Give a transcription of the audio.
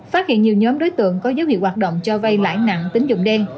phát hiện nhiều nhóm đối tượng có giới hữu hoạt động cho vay lại nặng tính dụng đen